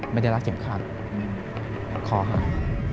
ไม่ได้รักเก็บครับขอหา